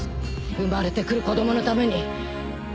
生まれてくる子どものために！